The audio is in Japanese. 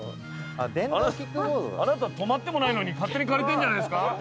あなた泊まってもないのに勝手に借りてんじゃないですか？